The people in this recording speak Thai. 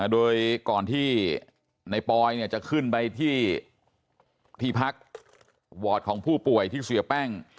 โดยก่อนที่ในปอยจะขึ้นไปที่พักวอร์ดของผู้ป่วยที่เสียแป้ง